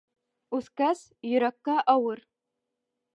Үҫкәс, йөрәккә ауыр.